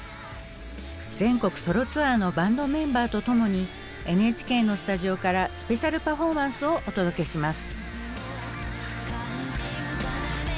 全国ソロツアーのバンドメンバーとともにＮＨＫのスタジオからスペシャルパフォーマンスをお届けします。